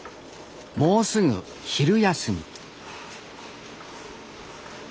もうすぐ昼休み。